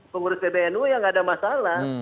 pengurus pbnu ya nggak ada masalah